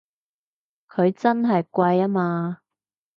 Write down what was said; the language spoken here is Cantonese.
佢真係貴吖嘛！